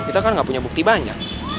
kita kan nggak punya bukti banyak